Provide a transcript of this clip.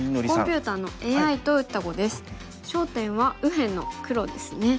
焦点は右辺の黒ですね。